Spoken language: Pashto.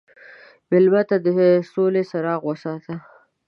مېلمه ته د سولې څراغ وساته.